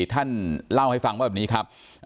ท่านเล่าให้ฟังว่าแบบนี้ครับ